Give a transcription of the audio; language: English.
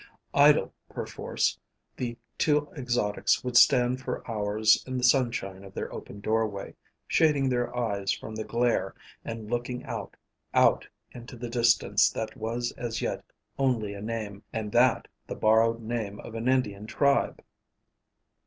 Idle perforce, the two exotics would stand for hours in the sunshine of their open doorway, shading their eyes from the glare and looking out, out into the distance that was as yet only a name and that the borrowed name of an Indian tribe.